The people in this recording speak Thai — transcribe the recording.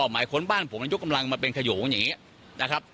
หมายค้นบ้านผมมันยกกำลังมาเป็นขยงอย่างนี้นะครับ